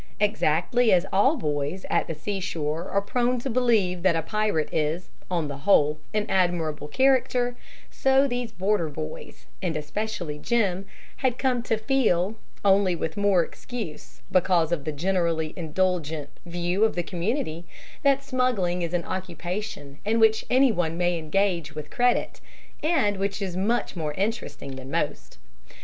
Exactly as boys at the seashore are prone to believe that a pirate is, on the whole, an admirable character, so these border boys, and especially Jim, had come to feel only with more excuse, because of the generally indulgent view of the community that smuggling is an occupation in which any one may engage with credit, and which is much more interesting than most.